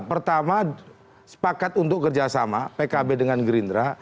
pertama sepakat untuk kerjasama pkb dengan gerindra